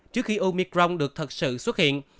trước khi omicron được thật sự xuất hiện